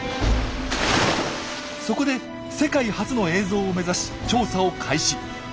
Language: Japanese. そこで世界初の映像を目指し調査を開始。